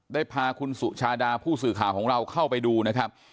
ได้พาคุณสุชาดาผู้สื่อข่าวของเราเข้าไปดูนะครับ